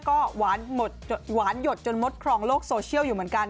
ก็หวานหยดจนมดครองโลกโซเชียลอยู่เหมือนกัน